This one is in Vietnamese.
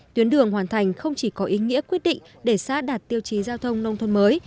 tuyến đường hoàn thành không chỉ có ý nghĩa quyết định để xã đạt tiêu chí giao thông nông thôn mới